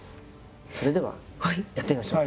それではやってみましょう。